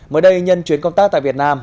mới đây nhân chuyến công tác tại việt nam